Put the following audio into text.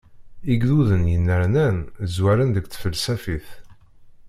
Igduden yennernan zwaren deg tfelsafit.